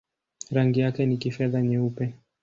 Rangi yake ni kifedha-nyeupe.